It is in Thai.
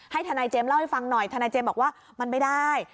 ทนายเจมส์เล่าให้ฟังหน่อยทนายเจมส์บอกว่ามันไม่ได้